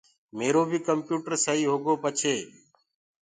ميرو بي ڪمپِيوٽر سئيٚ هوگو پڇي